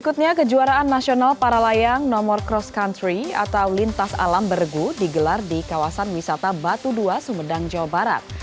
berikutnya kejuaraan nasional para layang nomor cross country atau lintas alam bergu digelar di kawasan wisata batu dua sumedang jawa barat